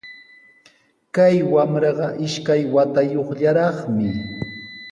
Kay wamraqa ishkay watayuqllaraqmi